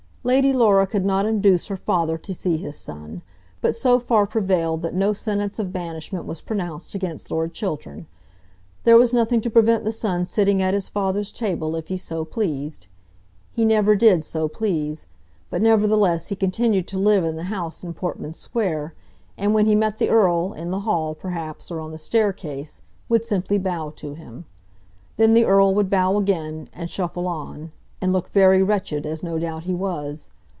Lady Laura could not induce her father to see his son, but so far prevailed that no sentence of banishment was pronounced against Lord Chiltern. There was nothing to prevent the son sitting at his father's table if he so pleased. He never did so please, but nevertheless he continued to live in the house in Portman Square; and when he met the Earl, in the hall, perhaps, or on the staircase, would simply bow to him. Then the Earl would bow again, and shuffle on, and look very wretched, as no doubt he was.